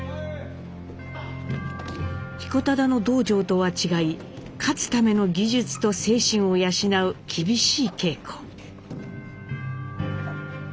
彦忠の道場とは違い勝つための技術と精神を養う厳しい稽古。